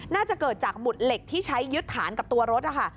น่าจะเกิดจากหมุดเหล็กที่ใช้ยึดฐานกับตัวรถนะคะ